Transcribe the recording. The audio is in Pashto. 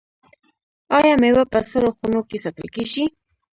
آیا میوه په سړو خونو کې ساتل کیږي؟